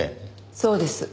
そうです。